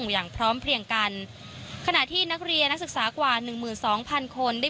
อย่างพร้อมเพียงกันขณะที่นักเรียนศึกษากว่า๑๒๐๐๐คนได้